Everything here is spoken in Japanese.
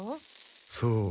そう。